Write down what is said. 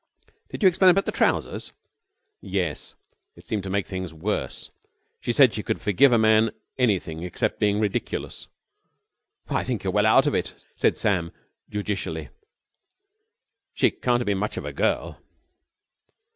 "Did you explain about the trousers?" "Yes. It seemed to make things worse. She said that she could forgive a man anything except being ridiculous." "I think you're well out of it," said Sam judicially. "She can't have been much of a girl."